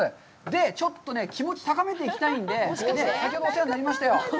で、ちょっとね、気持ち高めていきたいので、先ほどお世話になりましたよ。